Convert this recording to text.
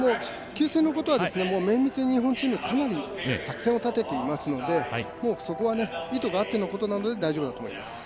給水のことは綿密に日本チーム作戦を立てていますのでそこは意図があってのことなので大丈夫だと思います。